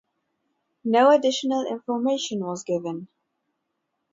No additional information was given.